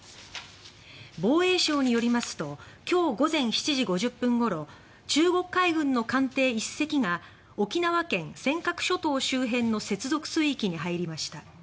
防衛省によりますと今日午前７時５０分ごろ中国海軍の艦艇１隻が沖縄県尖閣諸島周辺の接続水域に入りました。